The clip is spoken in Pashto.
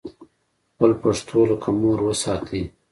خپله پښتو لکه مور وساتئ